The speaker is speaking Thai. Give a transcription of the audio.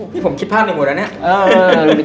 พี่ผมคิดภาพไปหมดแล้วเนี่ย